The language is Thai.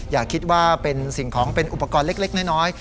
อย่าคิดว่าเป็นสิ่งของเป็นอุปกรณ์เล็กน้อย